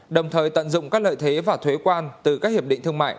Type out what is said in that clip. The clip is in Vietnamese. đồng thời tận dụng các lợi thế và thuế quan từ các hiệp định thương mại